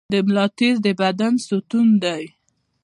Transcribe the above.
د ملا تیر د بدن ستون دی